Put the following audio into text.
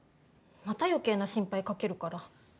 また余計な心配かけるから。